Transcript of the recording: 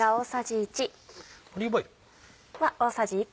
オリーブオイル。